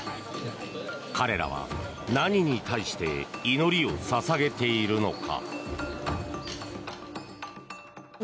彼らは、何に対して祈りを捧げているのか。